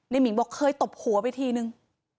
หมิงบอกเคยตบหัวไปทีนึง